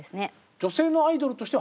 女性のアイドルとしては初めて？